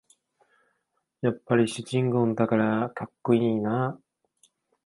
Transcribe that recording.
やっぱり主人公だからかっこいいな